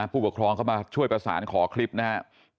ผู้ปกครองเข้ามาช่วยประสานขอคลิปนะครับ